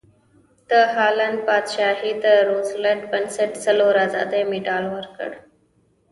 د هالنډ پادشاهي د روزولټ بنسټ څلور ازادۍ مډال ورکړ.